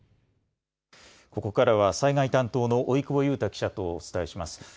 ここからは災害担当の老久保勇太記者とお伝えします。